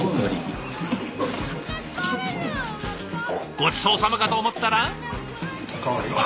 ごちそうさまかと思ったら。